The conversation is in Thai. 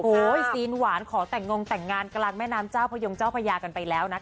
ซีนหวานขอแต่งงแต่งงานกลางแม่น้ำเจ้าพยงเจ้าพญากันไปแล้วนะคะ